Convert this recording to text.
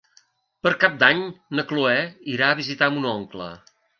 Per Cap d'Any na Cloè irà a visitar mon oncle.